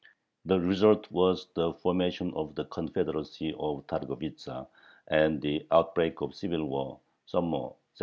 The result was the formation of the Confederacy of Targovitza and the outbreak of civil war (summer, 1792).